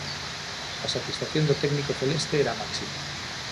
A satisfacción do técnico celeste era máxima.